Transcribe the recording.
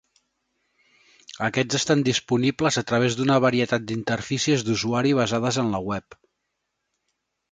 Aquests estan disponibles a través d'una varietat d'interfícies d'usuari basades en la web.